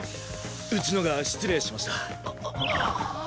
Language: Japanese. うちのが失礼しました。